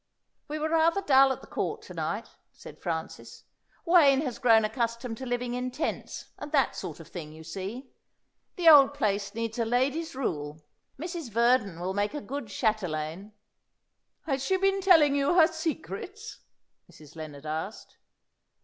"We were rather dull at the Court to night," said Francis. "Wayne has grown accustomed to living in tents, and that sort of thing, you see. The old place needs a lady's rule. Mrs. Verdon will make a good chatelaine." "Has she been telling you her secrets?" Mrs. Lennard asked.